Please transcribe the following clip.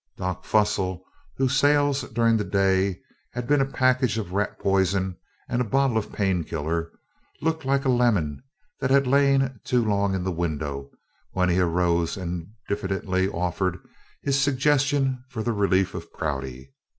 "Doc" Fussel, whose sales during the day had been a package of rat poison and a bottle of painkiller, looked like a lemon that has lain too long in the window, when he arose and diffidently offered his suggestion for the relief of Prouty.